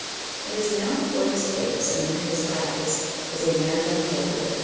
It is now before his face, and under his eyes, as a map unfolded.